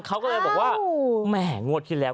เขาก็เลยบอกว่า